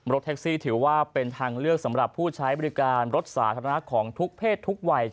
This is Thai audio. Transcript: รถแท็กซี่ถือว่าเป็นทางเลือกสำหรับผู้ใช้บริการรถสาธารณะของทุกเพศทุกวัย